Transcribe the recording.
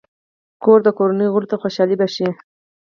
کور د کورنۍ غړو ته خوشحالي بښي.